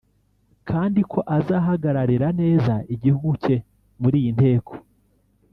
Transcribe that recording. kandi ko azahagararira neza igihugu cye muri iyi nteko